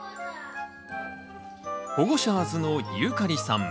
ホゴシャーズのユーカリさん。